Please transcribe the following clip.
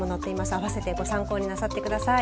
併せてご参考になさってください。